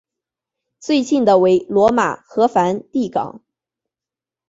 最近的为罗马和梵蒂冈。